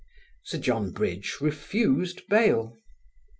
Sir John Bridge refused bail.